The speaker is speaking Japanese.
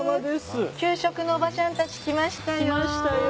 給食のおばちゃんたち来ましたよ。